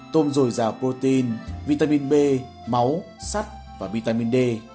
tôm dồi dào potine vitamin b máu sắt và vitamin d